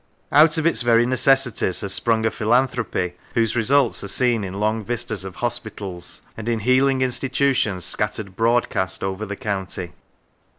Out of its very necessities has sprung a philanthropy whose results are seen in long vistas of hospitals, and in healing in stitutions scattered broadcast over the county.